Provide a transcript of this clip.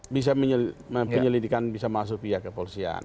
bisa penyelidikan bisa masuk pihak kepolisian